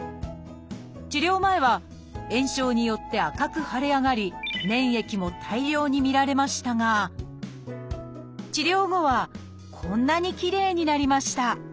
治療前は炎症によって赤く腫れ上がり粘液も大量に見られましたが治療後はこんなにきれいになりました